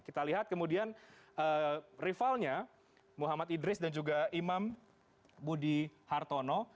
kita lihat kemudian rivalnya muhammad idris dan juga imam budi hartono